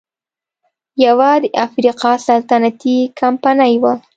یوه د افریقا سلطنتي کمپنۍ وه.